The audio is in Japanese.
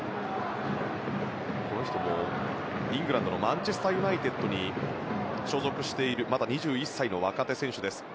この人もイングランドのマンチェスター・ユナイテッドに所属している２１歳の若手選手。